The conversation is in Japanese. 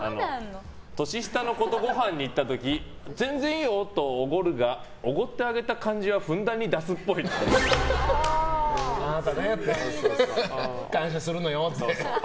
年下の子とごはんに行った時全然いいよとおごるがおごってあげた感じはふんだんに出すっぽい。感謝するのよって。